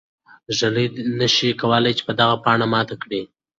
ږلۍ نه شي کولای چې دغه پاڼه ماته کړي.